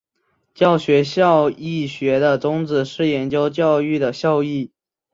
教育效益学的宗旨是研究教育的效益。